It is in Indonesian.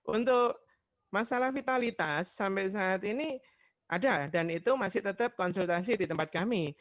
untuk masalah vitalitas sampai saat ini ada dan itu masih tetap konsultasi di tempat kami